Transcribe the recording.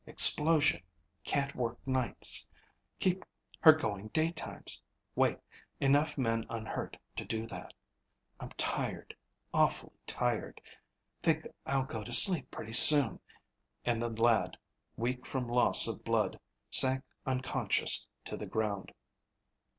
"Explosion. Can't work nights. Keep her going daytimes, Walt. Enough men unhurt to do that. I'm tired, awfully tired. Think I'll go to sleep pretty soon," and the lad, weak from loss of blood, sank unconscious to the ground.